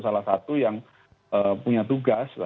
salah satu yang punya tugas